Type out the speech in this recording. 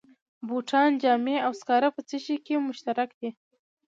بوټان، جامې او سکاره په څه شي کې مشترک دي